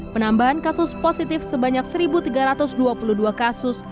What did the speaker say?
penambahan kasus positif sebanyak satu tiga ratus dua puluh dua kasus